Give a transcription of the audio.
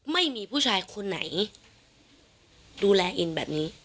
ไม่มีผู้ชายคนไหนดูแลอินแบบนี้